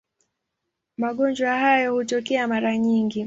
Magonjwa hayo hutokea mara nyingi.